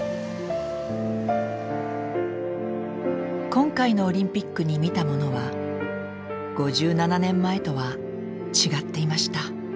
今回のオリンピックに見たものは５７年前とは違っていました。